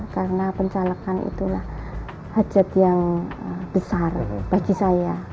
karena pencalekan itulah hajat yang besar bagi saya